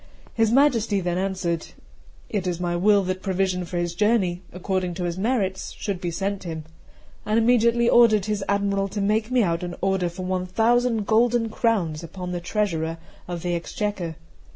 His Majesty then answered:'It is my will that provision for his journey, according to his merits, should be sent him;' and immediately ordered his Admiral to make me out an order for one thousand golden crowns upon the treasurer of the Exchequer.